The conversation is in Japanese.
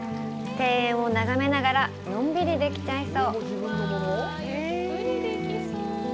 庭園を眺めながらのんびりできちゃいそう。